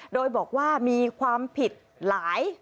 โดยบอกว่ามีความผิดหลาย